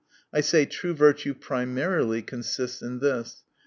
— I say, true virtue primarily consists in this.